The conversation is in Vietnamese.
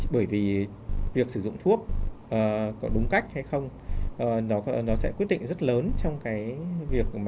bởi vì việc sử dụng thuốc có đúng cách hay không nó sẽ quyết định rất lớn trong những cái việc sử dụng thuốc hay không nó sẽ quyết định rất lớn trong những cái việc sử dụng thuốc